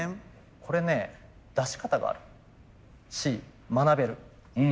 これね出し方があるし学べる。